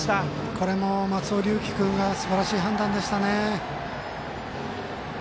これも、松尾龍樹君がすばらしい判断でしたね。